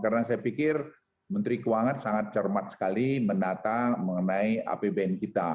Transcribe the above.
karena saya pikir menteri keuangan sangat cermat sekali menata mengenai apbn kita